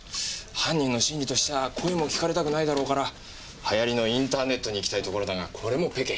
犯人の心理としちゃあ声も聞かれたくないだろうからはやりのインターネットにいきたいところだがこれもペケ。